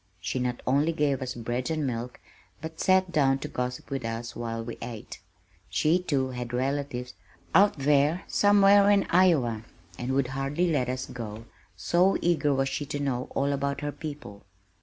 She not only gave us bread and milk but sat down to gossip with us while we ate. She, too, had relatives "out there, somewhere in Iowa" and would hardly let us go, so eager was she to know all about her people.